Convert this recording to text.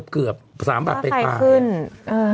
เกือบสามบาทไปก่อนค่าไฟขึ้นอืม